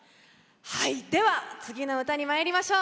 では、次の歌にまいりましょう。